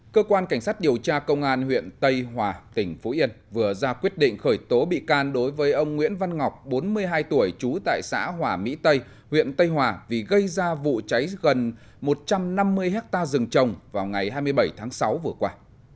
cơ quan cảnh sát điều tra công an huyện tây hòa tỉnh phú yên vừa ra quyết định khởi tố bị can đối với ông nguyễn văn ngọc bốn mươi hai tuổi trú tại xã hòa mỹ tây huyện tây hòa vì gây ra vụ cháy gần một trăm năm mươi hectare rừng trồng vào ngày hai mươi bảy tháng sáu vừa qua